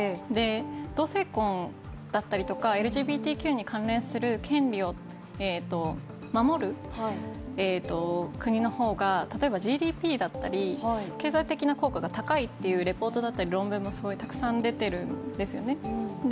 同性婚だったりとかＬＧＢＴＱに関連する権利を守る国の方が、例えばＧＤＰだったり経済的な効果が高いというリポートだったり論文もすごいたくさん出てるんですよね。